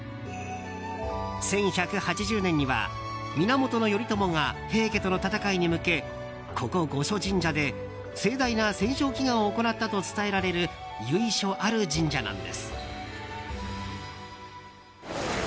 １１８０年には源頼朝が平家との戦いに向けここ、五所神社で盛大な戦勝祈願を行ったと伝えられる由緒ある神社なんです。